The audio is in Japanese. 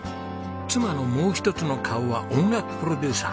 妻のもう１つの顔は音楽プロデューサー。